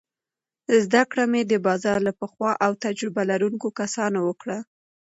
زده کړه مې د بازار له پخو او تجربه لرونکو کسانو وکړه.